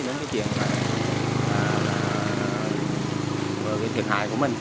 nhưng mà không nghĩ đến cái chuyện thiệt hại của mình